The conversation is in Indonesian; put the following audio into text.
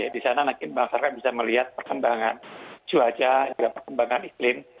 di sana masyarakat bisa melihat perkembangan cuaca juga perkembangan iklim